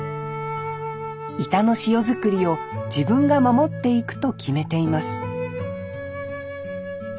井田の塩作りを自分が守っていくと決めています